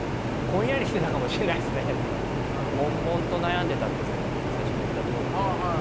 もんもんと悩んでたって最初に言ったとおりで。